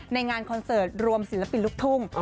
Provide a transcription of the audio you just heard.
งานคอนเสิร์ตรวมศิลปินลูกทุ่ง